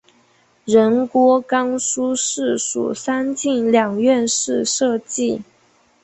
仁敦冈书室属三进两院式设计。